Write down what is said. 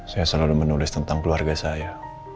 saya selalu menulis tentang keluarga saya